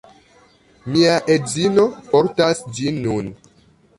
Mia edzino portas ĝin nun